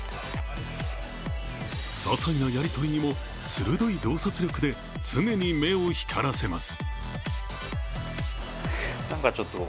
ささいなやりとりにも鋭い洞察力で常に目を光らせます。